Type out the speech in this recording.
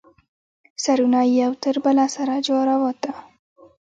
سرونه یې یو تر بله سره جارواته.